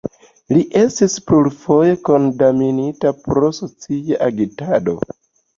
Li estis plurfoje kondamnita pro socia agitado.